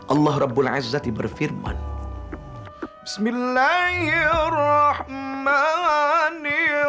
allah rabbul azzati berfirman